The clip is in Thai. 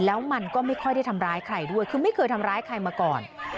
แล้วมันก็ไม่ค่อยได้ทำร้ายใครด้วยคือไม่เคยทำร้ายใครมาก่อน